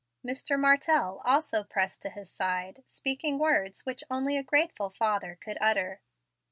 Mr. Martell also pressed to his side, speaking words which only a grateful father could utter.